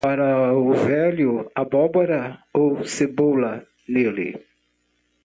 Para o velho, abóbora ou cebola nele.